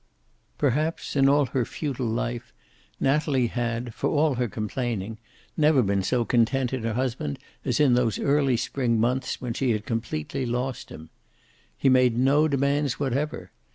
Perhaps, in all her futile life, Natalie had, for all her complaining, never been so content in her husband as in those early spring months when she had completely lost him. He made no demands whatever.